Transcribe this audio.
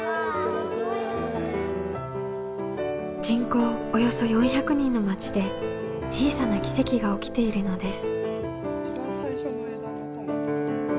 人口およそ４００人の町で小さな奇跡が起きているのです。